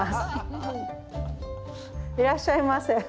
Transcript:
いらっしゃいませ。